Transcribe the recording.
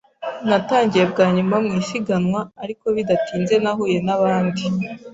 Natangiye bwa nyuma mu isiganwa, ariko bidatinze nahuye nabandi.